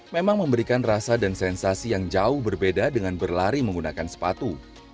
memang memberikan rasa dan sensasi yang jauh berbeda dengan berlari menggunakan sepatu